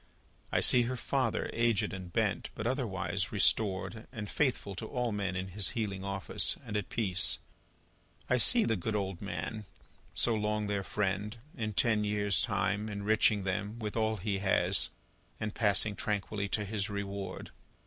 I see her father, aged and bent, but otherwise restored, and faithful to all men in his healing office, and at peace. I see the good old man, so long their friend, in ten years' time enriching them with all he has, and passing tranquilly to his reward.